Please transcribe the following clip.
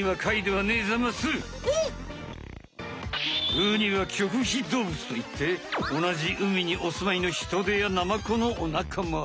ウニは棘皮動物といっておなじ海におすまいのヒトデやナマコのおなかま。